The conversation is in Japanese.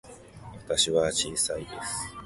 私は小さいです。